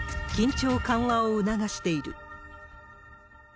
緊張緩和を促している。